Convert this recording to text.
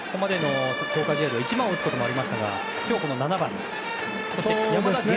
古田さん、山田がここまでの強化試合では１番を打つこともありましたが今日は７番。